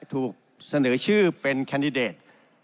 ถูกเสนอชื่อเป็นแคนดิเดต